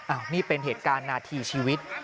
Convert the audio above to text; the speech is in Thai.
อันนี้เป็นเหตุการณ์นาทีชีวิต